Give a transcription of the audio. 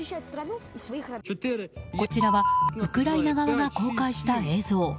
こちらはウクライナ側が公開した映像。